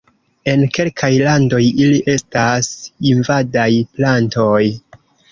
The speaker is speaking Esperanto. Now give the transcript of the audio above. En kelkaj landoj ili estas invadaj plantoj.